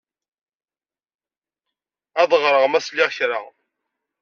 Ad d-ɣreɣ ma sliɣ kra.